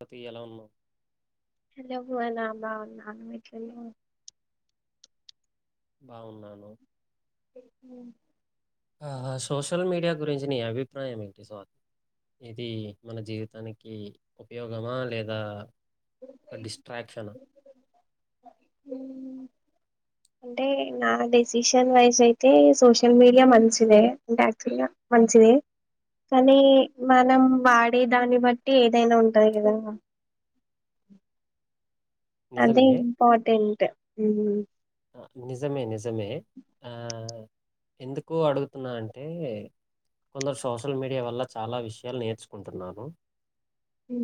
పతి ఎలా ఉన్నావు ఎ పో నాబాన్నా వీట్ బావున్నాను ఉ ఆ సోషల్ మీడియా గురించి నీ అభిప్రాయం ఏంటి సో ఇది మన జీవితానికి ఉపయోగమా లేదా ఒక డిస్ట్రాక్షన్ హ ఉ అంటే నా డెసిషన్ వైస్ అయితే సోషల్ మీడియా మంచిదే అంటే యాక్చువల్గా మంచిదే కానీ మనం వాడేదాన్ని బట్టి ఏదైనా ఉంటది గదా అది నిజమే. ఇంపార్టెంట్ ఉ నిజమే నిజమే అ ఎందుకు అడుగుతున్నా అంటే కొందరు సోషల్ మీడియా వల్ల చాలా విషయాలు నేర్చుకుంటున్నాను ఉ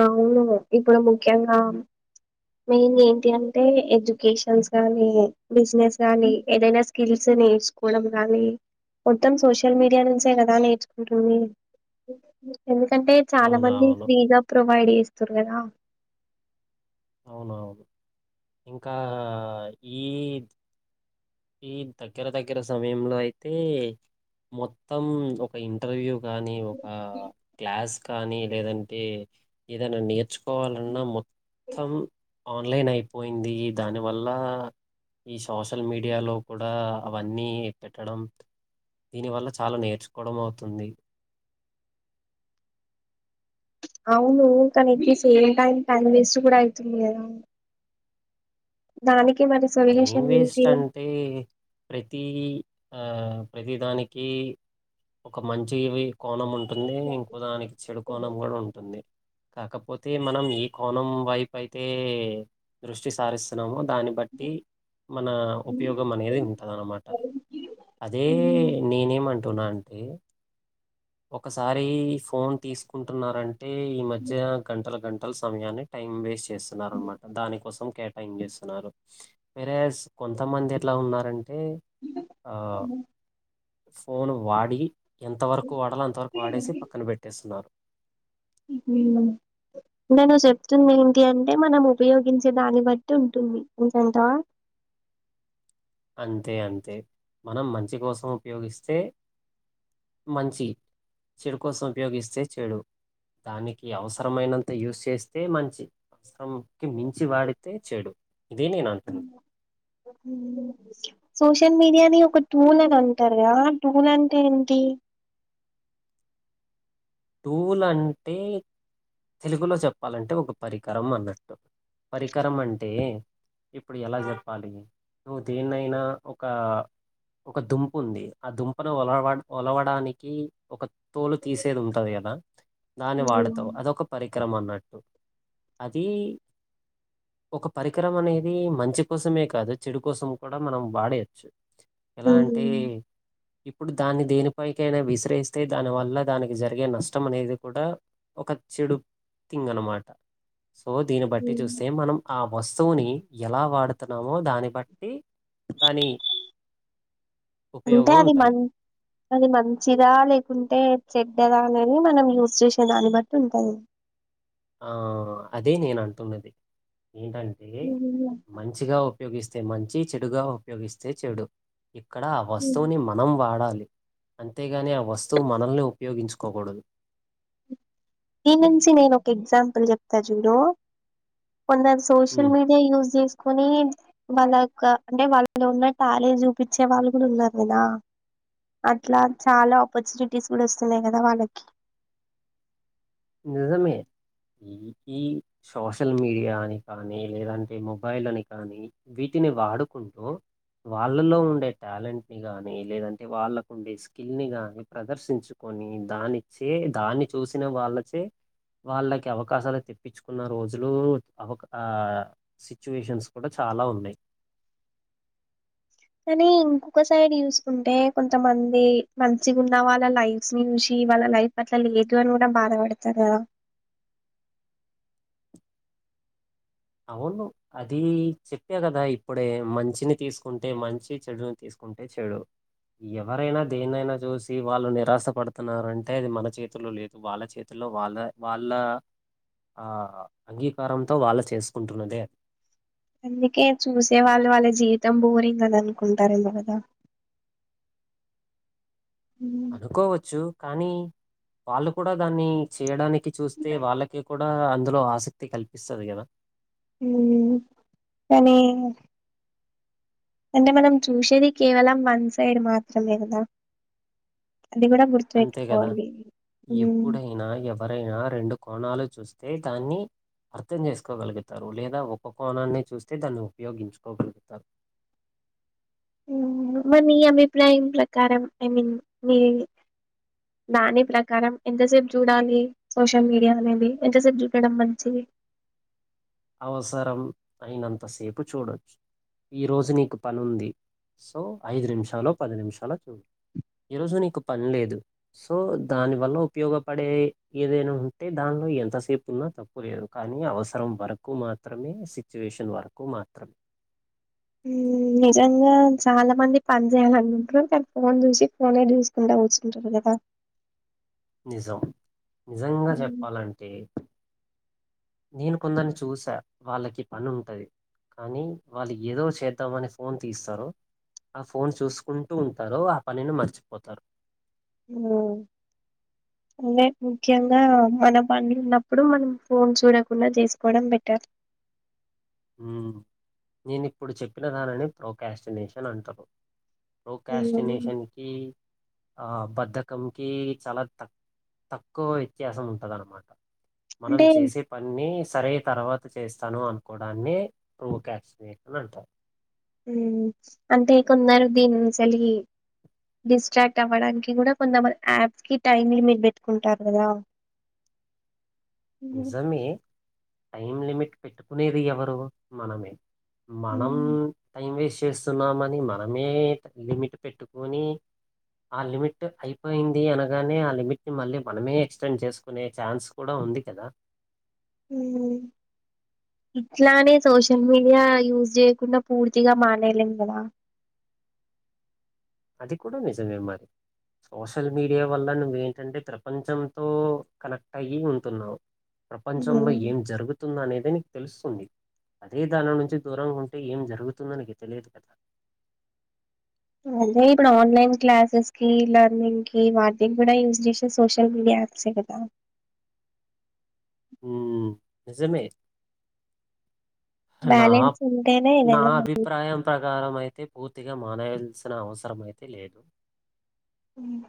అవును ఇప్పుడు ముఖ్యంగా మెయిన్ ఏంటి అంటే ఎడ్యుకేషన్స్ కాని బిజినెస్ కాని ఏదైనా స్కిల్స్ నేర్చుకోవడం గానీ మొత్తం సోషల్ మీడియా నుంచి ఎద నేర్చుకుంటుంది ఇ కంటే చాలా అవును. మంది అవును. ఫ్రీగా ప్రొవైడ్ చేస్తుారు కదా అవునవును ఇంకా ఈ ఈ దగ్గర దగ్గర సమయంలో అయితే మొత్తం ఒక ఇంటర్వ్యూ కాని ఒక క్లాస్ కానీ లేదంటే ఏదైనా నేర్చు కోవాలన్నామొ ఆన్లైన్ అయిపోయింది దాని వల్ల ఈ సోషల్ మీడియాలో కూడా అవన్నీ పెట్టడం దీని వల్ల చాలా నేర్చుకోవడం అవుతుంది అవును కానీయిది సేమ్ టైమ్ టైం వేస్ట్ కూడా అయితుంది కదా దానికి మరి టైం సొల్యూషన్ వేస్ట్ ఏంటి అంటే ప్రతి ఆ ప్రతి దానికి ఒక మంచివి కోణం ఉంటుంది, ఇంకో దానికి చెడు కోణం కూడ ఉంటుంది. కాకపోతే మనం ఏ కోణం వైపయితే, దృష్టి సారిస్తున్నామో దాన్ తి మన ఉపయోగం అనేది ఉంటది అనమాట. అదే ఉమ్. నేనేమన్ టున అంటే? ఒకసారి ఫోన్ తీసుకుంటున్నారన్ టే ఈ మధ్య గంటల గన్ టల్ సమయాన్ని టైమ్ వేస్ట్ చేస్తున్నారన్న మాట, దాని కోసం కేట్ టైమ్ చేస్తున్నారు, వేరేస్ కొంతమంది ఎట్లా ఉన్నారన్ టే ఆ ఫోన్ వాడి, ఎంతవర్ క్కు వాడలొ అంతవరకు వాడేసి పక్కన పెట్టేస్తున్నారు. ఉహు నేను చెప్తుంది ఏంటి అంటే, మనం ఉపయోగించే దాన్ని బట్టి ఉంటుంది. అంతే అంటవా? అంతే అంతే. మనం మంచి కోసం ఉపయోగిస్తే మంచి, చెడు కోసం ఉపయోగిస్తే చెడు. దానికి అవసరమైనంత యూస్ చేస్తే మంచి, అవసరంకి మించి వాడితే చెడు. ఇదే నేనంటున్నది. సోషల్ మీడియాని ఒక టూల్ అని అంటరు కదా, ఆ టూల్ అంటే ఏంటి? టూల్ అంటే తెలుగులో చెప్పాలంటే, ఒక పరికరం అన్నట్టు. పరికరం అంటే ఇప్పుడు ఎలా చెప్పాలి? నువ్వు దేన్నైనా ఒక, ఒక దుంపుంది. ఆ దుంపను ఒలవ ఒలవడానికి ఒక తోలు తీసేది ఉం టది గదా? దాన్ని ఉమ్. వాడతవు, అదొక పరిక్ కరమ్ అన్నట్టు. అదీ ఒక పరికరం అనేది మంచి కోసమే కాదు, చెడు కోసం కూడా మనం వాడేయొచ్చు. ఎలా అంటే? ఉమ్. ఇప్పుడు దాన్ని దేనిపైకైనా విసిరేస్తే, దాని వల్ల దానికి జర్ రిగే నష్టం అనేది కూడా, ఒక చెడు థింగ్ అన్నమాట. సో, దీన్ని బట్టి ఉమ్. చూస్తే మనం ఆ వస్తువుని ఎలా వాడుతున్నామో, దాన్ని బట్టి దాని అంటే, ఉపయోగం అది ఉంటది. మన్ అది మంచిదా లేకుంటే చెడ్డద అనేది, మనం యూస్ చేసే దాన్ని బట్టి ఉంటది. ఆ, అదే నేనంటున్నది? ఏంటంటే, మంచిగా ఉపయోగిస్ స్తే మంచి, చెడుగా ఉపయోగిస్తే చెడు. ఇక్కడ ఆ వస్తువుని, మనం వాడాలి. అంతేగాని ఆ వస్తువు మనల్ని ఉపయోగించుకోకూడదు. దీన్నుంచి నేనొక ఎగ్జాంపుల్ చెప్తా చూడు? కొందరు సోషల్ ఉమ్, మీడియా యూజ్ చేసుకొని. వాళ్ళయొక్క అంటే వాళ్ళలో ఉన్న టాలెంట్ చూపించే వాళ్ళు కూడా ఉన్నారు కదా. అట్లా చాలా ఆపర్చునిటీస్ కూడ వస్తున్నాయి కదా వాళ్ళకి. నిజమే, ఈ ఈ సోషల్ మీడియాని కానీ, లేదంటే మొబైల్ అని కానీ వీటిని వాడుకుంటూ వాళ్ళలో ఉండే టాలెంట్నీ గానీ, లేదంటే వాళ్ళకు ఉండే స్కిల్ని గానీ ప్రదర్శించుకొని, దానిచే దాన్ని చూసిన వాళ్ళక్ చే వాళ్ళకి అవకాశాలు తెప్పించుకున్న రోజులు అవక్ ఆ సిచ్యువేషన్స్ కూడా చాలా ఉన్నాయి కానీ ఇంకొక సైడ్ చూసుకుంటే కొంతమంది మంచిగా ఉన్న వాళ్ళ లైఫ్స్ ని చూసి వాళ్ళ లైఫ్ అట్లా లేదు అని కూడా బాధపడతరూ గదా అవును అది చెప్పే గదా ఇప్పుడే మంచిని తీసుకుంటే మంచి చెడుని తీసుకుంటే చెడు ఎవరైనా దేన్నైనా చూసి వాళ్ళు నిరాశ పడుతున్నారంటే అది మన చేతిలో లేదు వాళ్ళ చేతిల్లో వాళ్ళ వాళ్ళ ఆ అంగీకారంతో వాళ్ళ చేసు కుంటున్నదే అందుకే చూసే వాళ్ళు వాళ్ళ జీవితం బోరింగ్ గదా అనుకుంటారెమో గదా ఉమ్ అనుకోవచ్చు కానీ వాళ్ళు కూడా దాన్ని చేయడానికి చూస్తే వాళ్ళకి కూడ్ ఆ అందులో ఆసక్తి కలిపిస్తాది గదా ఉమ్ కాని అంటే మనం చూసేది కేవలం వన్ సైడ్ మాత్రమే గదా అంతేగదా ఉమ్ ఎప్పుడైనా ఎవరైనా రెండు కోణాలు చూస్ స్తే దాన్ని అర్థం చేసుకోగలుగుతారు లేదా ఒక్కొ కోణాన్ని చూస్తే దాన్ని ఉపయోగించుకోగలుగుతారు ఉమ్ మరి నీ అభిప్రాయం ప్రకారం ఐ మీన్ మీ దాని ప్రకారం ఎంతసేపు చూడాలి సోషల్ మీడియా అనేది ఎంతసేపు చూడడం మంచిది అవసరం అయినంతసేపు చూడోచ్చు ఈరోజు నీకు పని ఉంది సో ఐదు నిమిషాలో పది నిమిషాలో చూడు ఈరోజు నీకు పని లేదు సో దానివల్ల ఉపయోగపడే ఏదైనా ఉంటే దానిలో ఎంతసేపు ఉన్నా తప్పు లేదు కానీ అవసరం వరకు కు మాత్రమే సిచ్యువేషన్ వరకు మాత్రమే ఉమ్ నిజంగా చాలా మంది పని చేయాలనుకుంటారు కానీ ఫోన్ చూసి ఫోనే చూసుకుంట కుచ్చుంటారు గదా నిజం నిజంగా చెప్పాలంటే నేను కొందరిని చూసా వాళ్ళకి పని ఉంటది కానీ వాళ్ళు ఏదో చేద్దామని ఫోన్ తీస్తారు ఆ ఫోన్ చూసుకుంటూ ఉంటారు ఆ పనిని మర్చిపోతారు ఉ అంటే ముఖ్యంగా మన పని ఉన్నప్పుడు మనం ఫోన్ చూడకుండా చేసుకోవడం బెటర్ ఉ నేను ఇప్పుడు చెప్పిన దానిని ప్రోకాస్టినేషన్ అంటాము ఉమ్ ప్రొకాస్టినేషన్ కి ఆ బద్ధకంకి చాలా తక్ తక్కువ వ్యత్యాసం ఉంటది అన్నమాట మనం అంటే చేసే పన్ని సరే తర్వాత చేస్తాను అనుకు కోడాన్ని ప్రొకాష్టినేషన్ అంటారు ఉ అంటే కొందరు దినుంచాలి డిస్ట్రాక్ట్ అవ్వడానికి గూడ కొంతమంది యాప్స్ కి టైమ్ లిమిట్ పెట్టుకుంటారు గదా హ్మ్ నిజమే టైం లిమిట్ పెట్టుకునేది ఎవరు మనమే మనం హ్మ్ టైం వేస్ట్ చేస్తున్నామని మనమే లిమిట్ పెట్టుకుని ఆ లిమిట్ అయిపోయింది అనగానే ఆ లిమిట్ ని మళ్ళీ మనమే ఎక్స్టెండ్ చేసుకునే ఛాన్స్ కూడా ఉంది ఎదా ఉ ఇట్లానే సోషల్ మీడియా యూజ్ చేయకుండా పూర్తిగా మానేలేం గదా అది కూడా నిజమే మరి సోషల్ మీడియా వల్ల నువ్వు ఏంటి అంటే ప్రపంచంతో కనెక్ట్ అయ్యి ఉంటున్నావు ప్రపంచంలో హ్మ్ ఏం జరుగుతుంది అనేదిని తెలుస్తుంది అదే దాన నుంచి దూరంగా ఉంటే ఏం జరుగుతుంది నీకు తెలియదు గదా అదే ఇప్పుడు ఆన్లైన్ క్లాసెస్ కి లెర్నింగ్ కి వాటికి గూడ యూస్ చేసే సోషల్ మీడియా యాప్సే కదా ఉ నిజమే నాప్ బ్యాలెన్స్ ఉంటేనే నా ఏదైనా మనీ అభిప్రాయం ప్రకారం అయితే పోతే గా మానేయాల్సిన అవసరం అయితే లేదు మ్మ్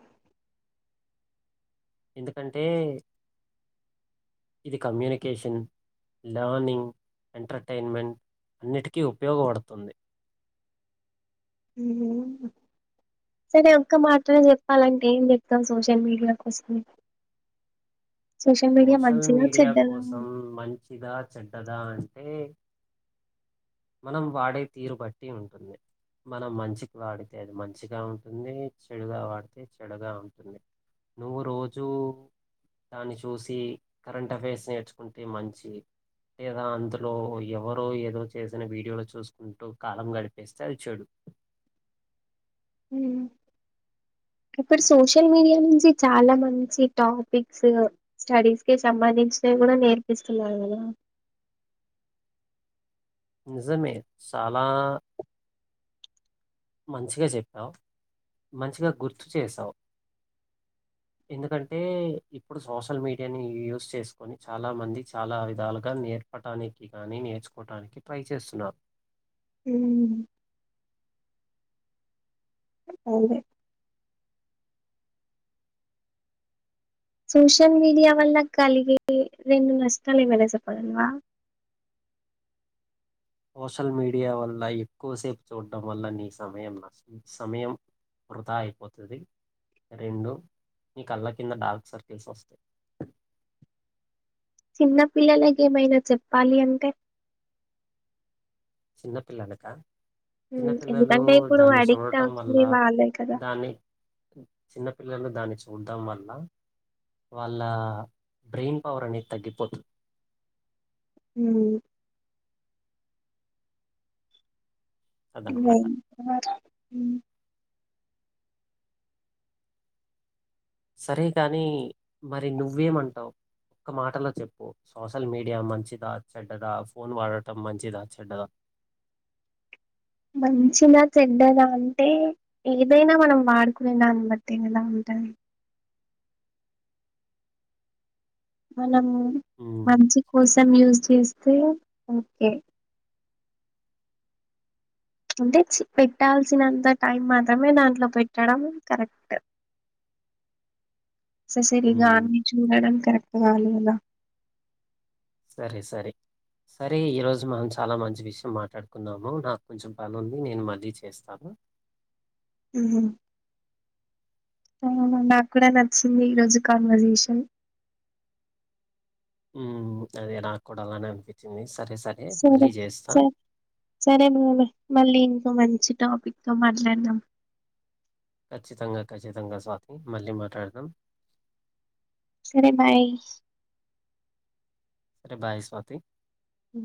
ఎందుకంటే ఇది కమ్యూనికేషన్, లర్నింగ్, ఎంటర్టైన్మెంట్ అన్నిటికీ ఉపయోగవడుతుంది. మ్మ్ హు సరే ఒక్క మాట్లోనే చెప్పాలంటే ఏం చెప్తాం సోషల్ మీడియా కోసం. మీడియా సోషల్ మంచిదా మీడియా చెడ్డదా కోసం మంచిదా చెడ్ డదా అంటే మనం వాడే తీరు బట్టి ఉంటుంది. మనం మంచికి వాడితే అది మంచిగా ఉంటుంది, చెడుగా వాడితే చెడుగా ఉంటుంది. నువ్వు రోజూ దాన్ని చూసి కరెంట్ అఫైర్స్ నేర్చుకుంటే మంచి లేదా అందులో ఎవరో ఏదో చేసిన వీడియోలు చూసుకుంటూ కాలం గడిపేస్తే అది చెడు. ఇప్పుడు సోషల్ మీడియా నుంచి చాలా మంచి టాపిక్స్ స్టడీస్ కి సంబంధించినవి కూడా నేర్పిస్తున్నారు కదా. నిజమే చాలా మంచిగా చెప్పావు, మంచిగా గుర్తు చేసావు. ఎందుకంటే ఇప్పుడు సోషల్ మీడియాని యూస్ చేసుకొని చాలా మంది చాలా విధాలుగా నేర్పటానికి కానీ నేర్చుకోవటానికి. ట్రై చేస్సునారు హ్మ్ అవునే సోషల్ మీడియా వల్ల కలిగే రెండు నష్టాలు ఏవైనా చెప్పగల్వా సోషల్ మీడియా వల్ల ఎక్కువసేపు చూడ్డం వల్ల నీ సమయం న సమయం వృధా అయిపోతుంది. రెండు నీ కళ్ళ కింద డార్క్ సర్కిల్స్ సొస్తయ్. చిన్న పిల్లలకి ఏమైనా చెప్పాలి అంటే చిన్నపిల్లలకా హ్మ్ ఎందుకంటే ఇప్పుడు అడిక్ట్ అవుతుంది వాళ్లే కదా చిన్నపిల్లలు దాన్ని చూడ్డం వల్ల వాళ్ళ బ్రెయిన్ పవర్ అనేది తగ్గిపోతు, హ్మ్ ఇంగ అదనమాట. [unintelligible] మ్మ్ సరే కాని మరి నువ్వేమంటావ్, ఒక్క మాటలో చెప్పు సోషల్ మీడియా మంచిదా చెడ్డదా, ఫోన్ వాడటం మంచిదా చెడ్డదా. మంచినా చెడ్డదా అంటే ఏదైనా మనం వాడుకునే దాన్నిబట్టి ఇంగెలా ఉంటది. మ నం ఉమ్, మంచి కోసం యూజ్ చేస్ తే ఓకే అంటే పెట్టాల్సినంత టైం మాత్రమే దాంట్లో పెట్టడం కరెక్ట్. స ఉమ్, సేరిగాన్ని చూడడం కరెక్ వాళ్ళు వీళ్ళా సరే సరే సరే ఈరోజు మనం చాలా మంచి విషయం మాట్లాడుకున్నాము, నాకు కొంచెం పని ఉంది నేను మళ్ళీ చేస్తాను. మ్మ్ హ్మ్ అవునా నాక్కూడా నచ్చింది ఈరోజు కాన్వర్జేషన్. మ్మ్ అదే నాక్కూడా అలానే అనిపిచ్చింది సరే సరే సరే [unintelligible] మళ్ళీ ఇంకోమం చి టాపిక్తో మాట్లాడుదాం ఖచ్చితంగా ఖచ్చితంగా స్వాతి మళ్ళీ మాటాడుదం సరే బాయ్ సరే బాయ్ స్వాతి అ